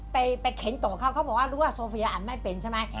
ไปเข็นต่อเขาเขาบอกว่ารู้ว่าโซเฟียอันไม่เป็นใช่ไหม